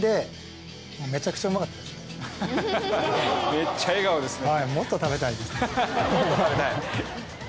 めっちゃ笑顔ですね。